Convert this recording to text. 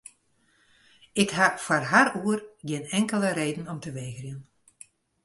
Ik ha foar har oer gjin inkelde reden om te wegerjen.